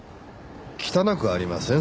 汚くありません？